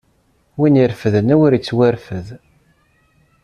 Win irefden, awer ittwarfed!